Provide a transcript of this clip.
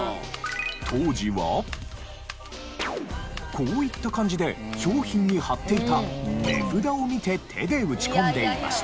当時はこういった感じで商品に貼っていた値札を見て手で打ち込んでいました。